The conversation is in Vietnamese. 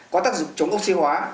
có tác dụng chống oxy hóa